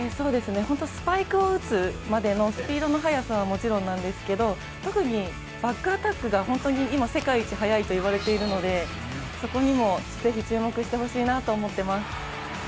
スパイクを打つまでのスピードの速さはもちろんなんですけど特にバックアタックが本当に今世界一速いと言われているのでそこにもぜひ、注目してほしいなと思っています。